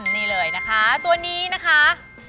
นี่เลยนะคะตัวนี้นะคะ